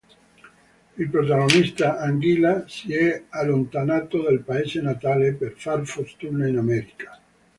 Il protagonista, Anguilla, si è allontanato dal paese natale, per far fortuna in America.